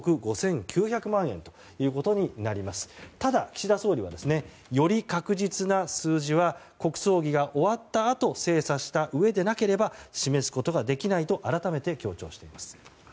ただ、岸田総理はより確実な数字は国葬儀が終わったあと精査したうえでなければ示すことができないと改めて強調しています。